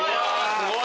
すごい。